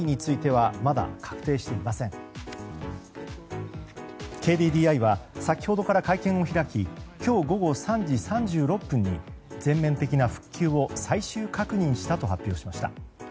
ＫＤＤＩは先ほどから会見を開き今日午後３時３６分に全面的な復旧を最終確認したと発表しました。